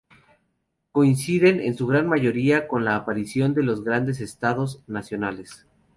Coinciden, en su gran mayoría, con la aparición de los grandes estados nacionales.